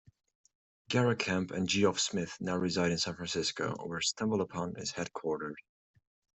Garrett Camp and Geoff Smith now reside in San Francisco, where StumbleUpon is headquartered.